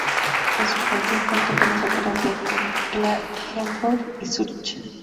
En su juventud, cantó en las óperas de Klagenfurt y Zürich.